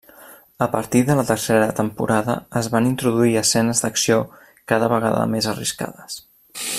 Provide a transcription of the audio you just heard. A partir de la tercera temporada, es van introduir escenes d'acció cada vegada més arriscades.